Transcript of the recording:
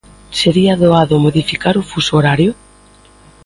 Sería doado modificar o fuso horario?